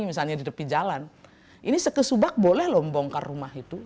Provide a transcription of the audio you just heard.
misalnya di depi jalan ini seke subak boleh lombongkan rumah itu